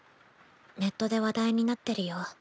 ネットで話題になってるよ。